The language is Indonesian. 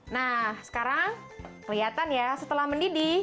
nah sekarang kelihatan ya setelah mendidih